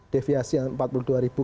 deviasi yang rp empat puluh dua ribu